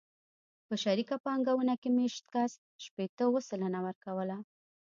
په شریکه پانګونه کې مېشت کس شپېته اووه سلنه ورکوله.